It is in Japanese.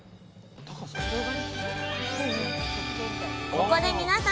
ここで皆さん注目！